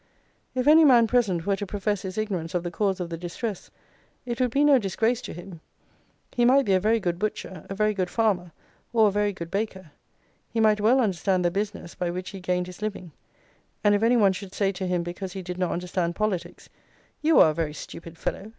If any man present were to profess his ignorance of the cause of the distress it would be no disgrace to him; he might be a very good butcher, a very good farmer, or a very good baker: he might well understand the business by which he gained his living; and if any one should say to him, because he did not understand politics, 'You are a very stupid fellow!'